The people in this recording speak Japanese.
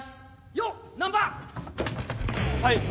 はい。